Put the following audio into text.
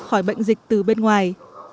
khỏi bệnh dịch từ bên ngoài